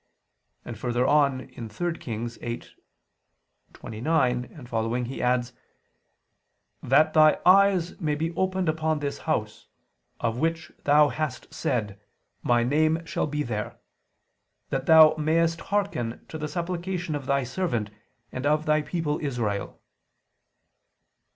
And further on (3 Kings 8:29, 20) he adds: "That Thy eyes may be open upon this house ... of which Thou hast said: My name shall be there; ... that Thou mayest hearken to the supplication of Thy servant and of Thy people Israel."